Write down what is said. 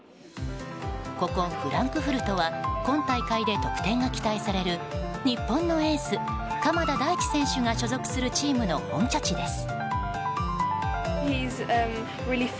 ここ、フランクフルトは今大会で得点が期待される日本のエース、鎌田大地選手が所属するチームの本拠地です。